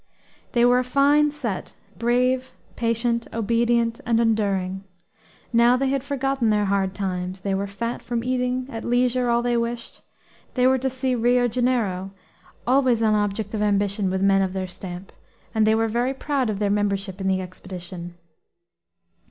They were a fine set, brave, patient, obedient, and enduring. Now they had forgotten their hard times; they were fat from eating, at leisure, all they wished; they were to see Rio Janeiro, always an object of ambition with men of their stamp; and they were very proud of their membership in the expedition.